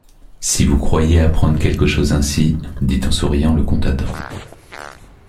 Si vous croyez apprendre quelque chose ainsi!... dit en souriant le comte Adam.